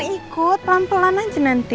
aku mau ikut pelan pelan aja nanti